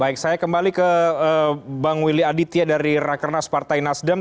baik saya kembali ke bang willy aditya dari rakernas partai nasdem